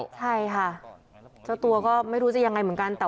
ใช่ค่ะเจ้าตัวก็ไม่รู้จะยังไงเหมือนกัน